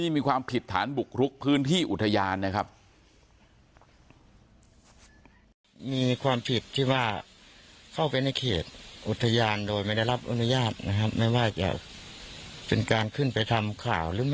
มีความผิดที่ว่าเข้าไปในเขตอุทยานโดยไม่ได้รับอนุญาตนะครับไม่ว่าจะเป็นการขึ้นไปทำข่าวค่ะ